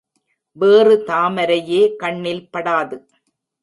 வேறு தாமரையே கண்ணில் படாது.